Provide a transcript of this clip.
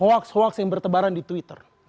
hoax hoax yang bertebaran di twitter